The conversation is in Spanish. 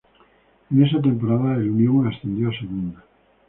En esa temporada el Unión ascendió a segunda.